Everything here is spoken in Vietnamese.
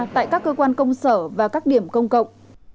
tại các cơ quan công sở và các điểm công cộng